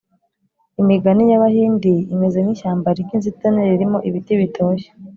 “imigani y’abahindi imeze nk’ishyamba ry’inzitane ririmo ibiti bitoshye.